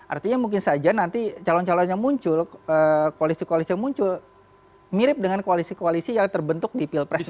artinya mungkin saja nanti calon calon yang muncul koalisi koalisi yang muncul mirip dengan koalisi koalisi yang terbentuk di pilpres dua ribu